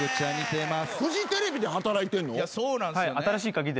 フジテレビで働いてんの？